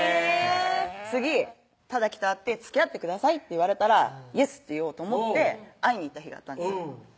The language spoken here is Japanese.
次任記と会って「つきあってください」って言われたら「イエス」って言おうと思って会いに行った日があったんですよ